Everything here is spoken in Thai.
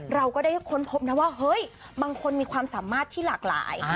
เราก็ได้ค้นพบนะว่าเฮ้ยบางคนมีความสามารถที่หลากหลาย